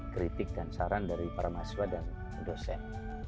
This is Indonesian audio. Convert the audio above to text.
kritik dan saran dari para mahasiswa dan dosen